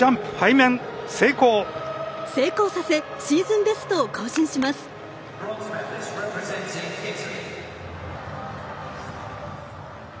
成功させシーズンベストを更新します。